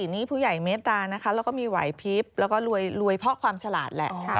๕๔นี้ผู้ใหญ่เมตตาแล้วก็มีหวัยพิษแล้วก็รวยเพราะความฉลาดแหละ